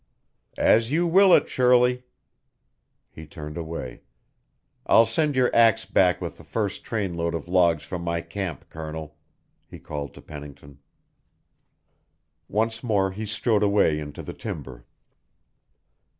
"As you will it, Shirley." He turned away. "I'll send your axe back with the first trainload of logs from my camp, Colonel," he called to Pennington. Once more he strode away into the timber.